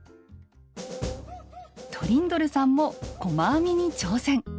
トリンドルさんも細編みに挑戦！